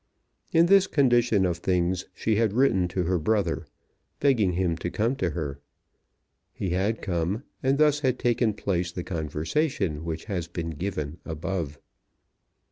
In this condition of things she had written to her brother, begging him to come to her. He had come, and thus had taken place the conversation which has been given above.